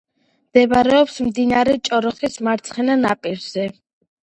მდებარეობს მდინარე ჭოროხის მარცხენა ნაპირზე.